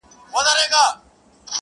o ادب له بې ادبو زده کېږي٫